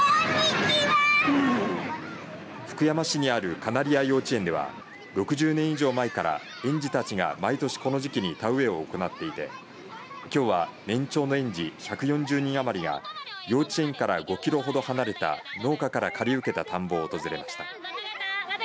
福山市にあるかなりや幼稚園では６０年以上前から園児たちが毎年この時期に田植えを行っていてきょうは年長の園児１４０人余りが幼稚園から５キロほど離れた農家から借り受けた田んぼを訪れました。